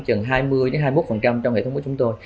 chừng hai mươi hai mươi một trong hệ thống của chúng tôi